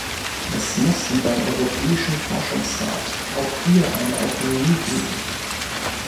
Es muss wie beim Europäischen Forschungsrat auch hier eine Autonomie geben.